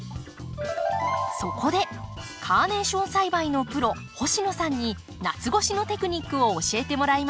そこでカーネーション栽培のプロ星野さんに夏越しのテクニックを教えてもらいます。